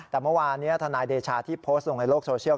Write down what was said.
แต่เมื่อวานนี้ทนายเดชาที่โพสต์ลงในโลกโซเชียล